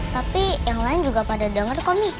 tapi yang lain juga pada denger kok mi